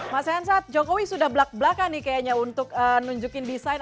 mas hensat jokowi sudah belak belakan nih kayaknya untuk nunjukin desain